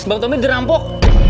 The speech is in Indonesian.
bang tommy dirampok